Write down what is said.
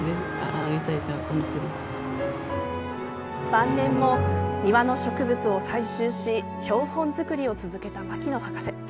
晩年も、庭の植物を採集し標本作りを続けた牧野博士。